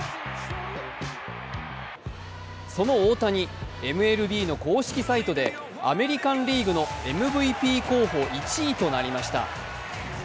その大谷、ＭＬＢの公式サイトでアメリカン・リーグのＭＶＰ候補１位となりました。